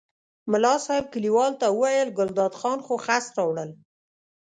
ملا صاحب کلیوالو ته وویل ګلداد خان خو خس راوړل.